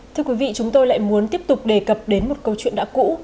thưa quý vị chúng tôi lại muốn tiếp tục đề cập đến một câu chuyện đã cũ